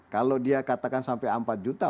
kalau dia katakan sampai empat juta